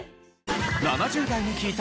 ７０代に聞いた！